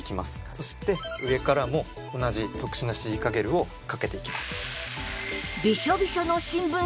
そして上からも同じ特殊なシリカゲルをかけていきます。